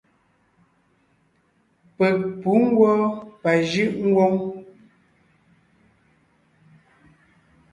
Peg pǔ ngwɔ́ pajʉʼ ngwóŋ.